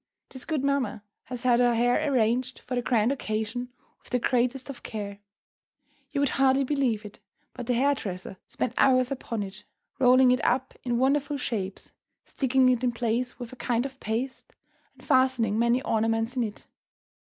This good mamma has had her hair arranged for the grand occasion with the greatest of care. You would hardly believe it, but the hair dresser spent hours upon it, rolling it up in wonderful shapes, sticking it in place with a kind of paste, and fastening many ornaments in it.